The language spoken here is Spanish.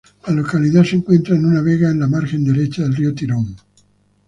La localidad se encuentra en una vega a la margen derecha del río Tirón.